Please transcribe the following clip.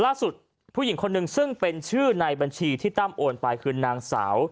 ผู้หญิงคนหนึ่งซึ่งเป็นชื่อในบัญชีที่ตั้มโอนไปคือนางสาว